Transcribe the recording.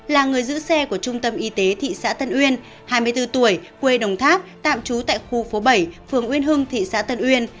là người giữ xe của trung tâm y tế thị xã tân uyên hai mươi bốn tuổi quê đồng tháp tạm trú tại khu phố bảy phường uyên hưng thị xã tân uyên